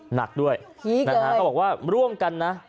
เยอะด้วยพีคเลยเนี่ยบอกว่าร่วมกันนะ